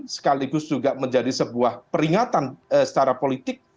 sekaligus juga menjadi sebuah peringatan secara politik